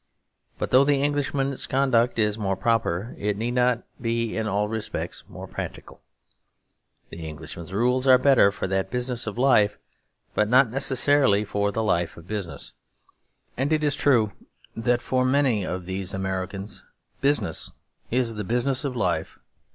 But though the Englishman's conduct is more proper, it need not be in all respects more practical. The Englishman's rules are better for the business of life, but not necessarily for the life of business. And it is true that for many of these Americans business is the business of life.